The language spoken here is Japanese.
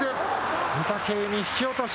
御嶽海、引き落とし。